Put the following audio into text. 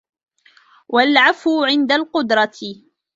وَالْعَفْوُ عِنْدَ الْقُدْرَةِ